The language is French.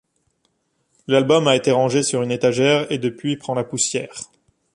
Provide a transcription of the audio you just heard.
L'album a été rangé sur une étagère et depuis prend la poussière.